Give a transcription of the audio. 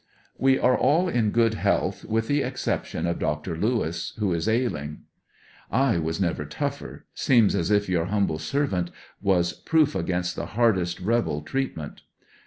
We are all in good health with the exception of Dr. Lewis, who is ailing. I was never tougher — 38 ANBEBSONVILLE DIART. seems as if your humble servant was proof against the hardest rebel treatment.